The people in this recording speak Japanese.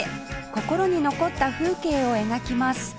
心に残った風景を描きます